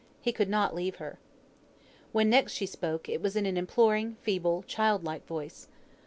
He could not leave her. When next she spoke, it was in an imploring, feeble, child like voice.